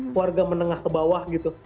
keluarga menengah ke bawah gitu